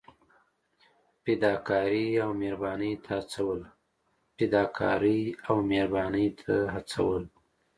فدا کارۍ او مهربانۍ ته هڅول.